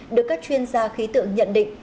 được các chuyên gia khí tượng nhận định